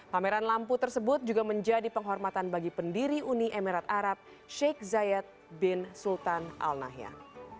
pameran lampu tersebut juga menjadi penghormatan bagi pendiri uni emirat arab sheikh zayed bin sultan al nahyan